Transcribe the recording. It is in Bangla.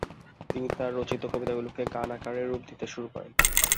তিনি তার রচিত কবিতাগুলোকে গান আকারে রূপ দিতে শুরু করেন।